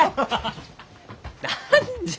何じゃ？